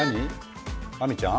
亜美ちゃん？